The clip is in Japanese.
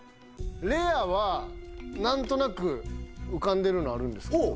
レアはなんとなく浮かんでるのあるんですけどおお！